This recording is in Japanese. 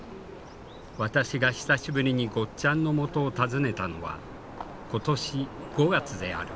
私が久しぶりにゴッちゃんのもとを訪ねたのは今年５月である。